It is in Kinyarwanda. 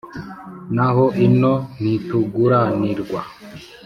n’aho ino ntituguranirwa